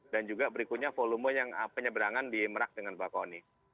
dan juga berikutnya volume penyeberangan di merak dengan bakoni